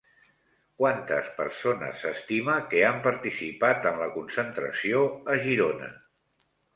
Quantes persones s'estima que han participat en la concentració a Girona?